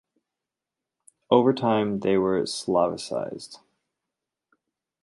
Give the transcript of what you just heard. Over time they were slavicized.